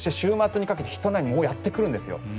そして週末にかけてもうひと波やってくるんです。